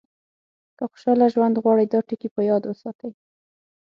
که خوشاله ژوند غواړئ دا ټکي په یاد وساتئ.